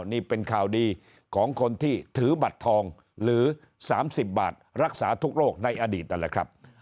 นี่เป็นข่าวดีของคนที่ถือบัตรทองหรือ๓๐บาทรักษาทุกโรคในอดีตนั่นแหละครับ